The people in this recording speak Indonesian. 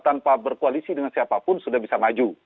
tanpa berkoalisi dengan siapapun sudah bisa maju